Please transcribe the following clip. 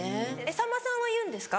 さんまさんは言うんですか。